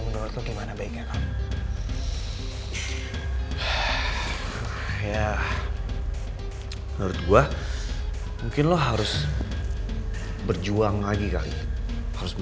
menurut gimana baiknya kamu ya menurut gua mungkin lo harus berjuang lagi kali harus